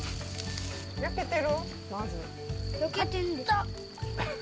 焼けてる？